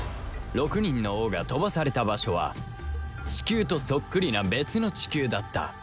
６人の王が飛ばされた場所はチキューとそっくりな別の地球だった